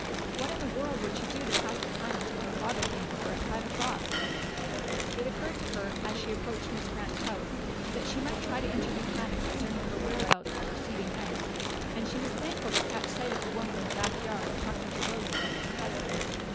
What in the world would she do to pass the time until her father came for her at five o'clock? It occurred to her as she approached Miss Grant's house that she might try to interview Hannah concerning her whereabouts the preceding night, and she was thankful to catch sight of the woman in the back yard, talking to William, her husband.